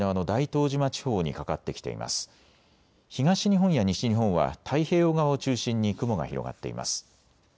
東日本や西日本は太平洋側を中心に雲が広がっています。